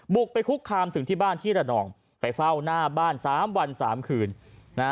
บุกไปคุกคามสิ่งที่บ้านที่ระนองไปเฝ้าหน้าบ้าน๓วัน๓คืน